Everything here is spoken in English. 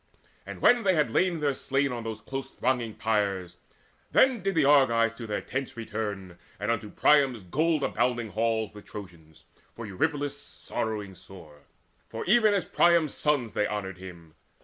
And when They had lain their slain on those close thronging pyres, Then did the Argives to their tents return, And unto Priam's gold abounding halls The Trojans, for Eurypylus sorrowing sore: For even as Priam's sons they honoured him.